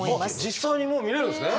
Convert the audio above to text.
実際にもう見れるんですね。